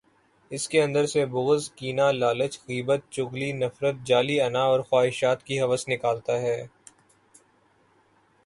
اس کے اندر سے بغض، کینہ، لالچ، غیبت، چغلی، نفرت، جعلی انااور خواہشات کی ہوس نکالتا ہے۔